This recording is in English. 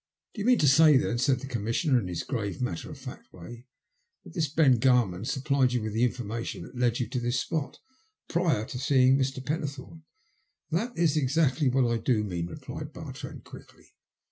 You mean to say then," said the Commissioner in his grave, matter of fact way, that this Ben Garman supplied you with the information that led you to this spot — ^prior to seeing Mr. Pennethome." ''That is exactly what I do mean," replied Bartrand quickly.